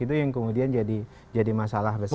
itu yang kemudian jadi masalah besar